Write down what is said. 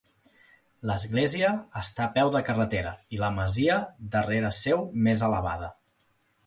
L'església està a peu de carretera i la masia darrere seu més elevada.